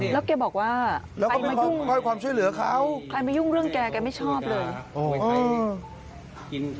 แล้วแกบอกว่าใครมายุ่งเรื่องแกแกไม่ชอบเลย